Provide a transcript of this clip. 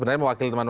balik gitu kan